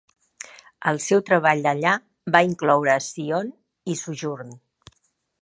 El seu treball allà va incloure "Scion" i "Sojourn".